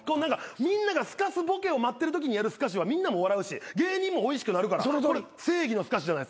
みんながすかすボケを待ってるときにやるすかしはみんなも笑うし芸人もおいしくなるから正義のすかしじゃないですか。